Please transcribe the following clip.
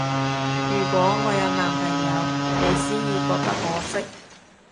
如果我有男朋友，你先要覺得可惜